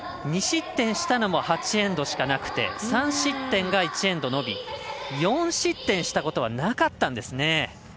２失点したのも８エンドしかなくて３失点が１エンドのみ４失点したことはなかったんですね。